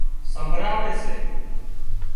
سمڀراوي سي